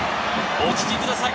お聞きください